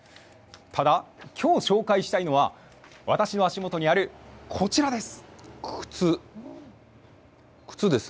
ただ、きょう紹介したいのは、私の足元にあるこちらです。